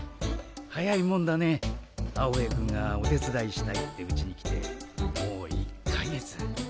早いもんだねアオベエくんがお手伝いしたいってうちに来てもう１か月。